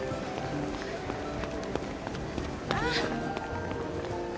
ああ。